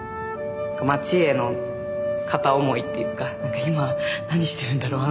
町への片思いっていうか「今何してるんだろう